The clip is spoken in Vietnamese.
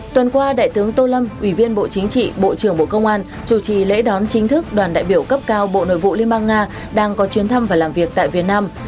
tuần qua đại tướng tô lâm ủy viên bộ chính trị bộ trưởng bộ công an chủ trì lễ đón chính thức đoàn đại biểu cấp cao bộ nội vụ liên bang nga đang có chuyến thăm và làm việc tại việt nam